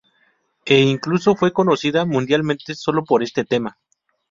E incluso fue conocida mundialmente sólo por este tema.